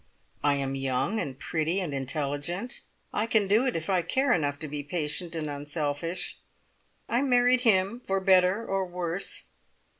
I am young and pretty and intelligent I can do it if I care enough to be patient and unselfish. I married him for better or worse.